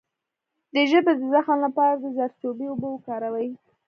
د ژبې د زخم لپاره د زردچوبې اوبه وکاروئ